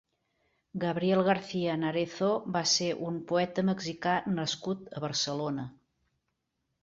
Gabriel García Narezo va ser un poeta mexicà nascut a Barcelona.